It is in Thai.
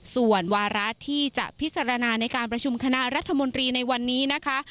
ส่วนวาระที่จะพิจารณาในการประชุมคณะรัฐมนตรีในวันนี้นะคะ